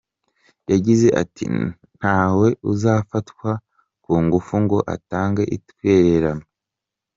Yagize ati : "Ntawe uzafatwa ku ngufu ngo atange itwererano".